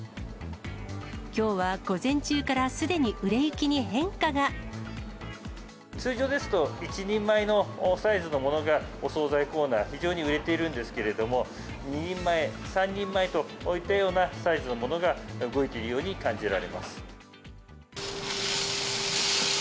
きょうは午前中からすでに売通常ですと、１人前のサイズのものが、お総菜コーナー、非常に売れているんですけれども、２人前、３人前といったようなサイズのものが動いているように感じられます。